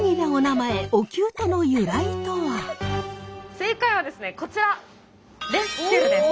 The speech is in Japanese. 正解はですねこちらレスキューです。